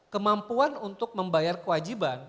kemampuan untuk membayar kewajiban